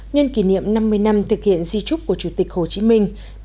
nhân kỷ niệm năm mươi năm thực hiện di trúc của chủ tịch hồ chí minh